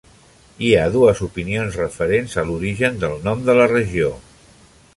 Hi ha dues opinions referents a l'origen del nom de la regió.